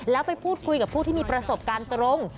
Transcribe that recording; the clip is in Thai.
แล้วไปพูดคุยกับผู้ที่มีประสบการณ์ตรง